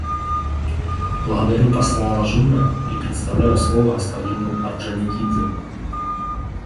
Благодарю посла Алжира и предоставляю слово господину Орджоникидзе.